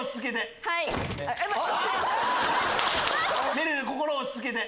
めるる心を落ち着けて。